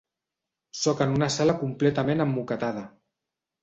Sóc en una sala completament emmoquetada.